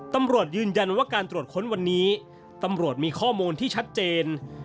ตำรวจยืนยันว่าการตรวจค้นวันนี้ตำรวจมีข้อมูลที่ชัดเจน